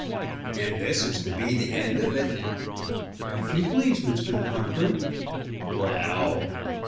"And this is to be the end of it?" "If you please, Mr. Crocker." "Well!"